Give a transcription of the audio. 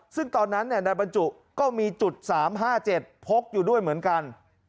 ซึ่งตอนนั้นนายบรรจุก็มีจุด๓๕๗พกอยู่ด้วยเหมือนกัน